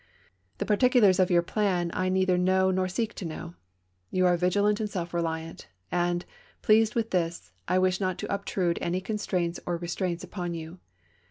The particu lars of your plan I neither know nor seek to know. THE WILDERNESS 355 You are vigilant and self reliant ; and, pleased with chap. xiv. this, I wish not to obtrude any constraints or re straints upon you.